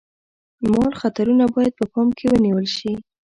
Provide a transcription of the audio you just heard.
مال خطرونه باید په پام کې ونیول شي.